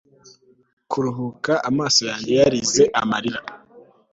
kuruhuka amaso yanjye yarize amarira